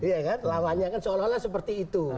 iya kan lawannya kan seolah olah seperti itu